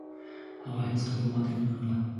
هغه هيڅکله ماتې نه منله.